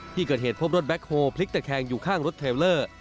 ที่เกิดเหตุพบรถแบ็คโฮพลิกตะแคงอยู่ข้างรถเทลเลอร์